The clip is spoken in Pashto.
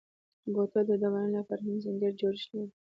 بوتل د دوایانو لپاره هم ځانګړی جوړښت لري.